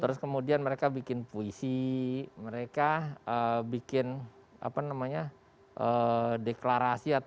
terus kemudian mereka bikin puisi mereka bikin apa namanya deklarasi atau terus kemudian membanjirkan